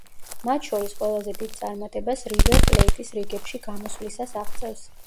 მათ შორის ყველაზე დიდ წარმატებას „რივერ პლეიტის“ რიგებში გამოსვლისას აღწევს.